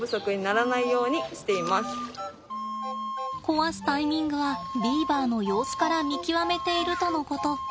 壊すタイミングはビーバーの様子から見極めているとのこと。